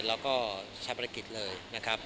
เราก็ใช้บริกฤตเลยนะครับ